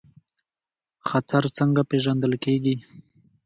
خطر څنګه پیژندل کیږي؟